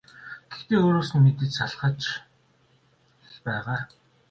Гэхдээ өөрөөс нь мэдээж залхаж л байгаа.